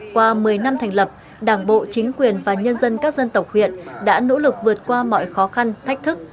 qua một mươi năm thành lập đảng bộ chính quyền và nhân dân các dân tộc huyện đã nỗ lực vượt qua mọi khó khăn thách thức